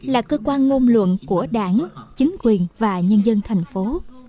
là cơ quan ngôn luận của đảng chính quyền và nhân dân thành phố